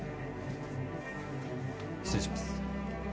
失礼します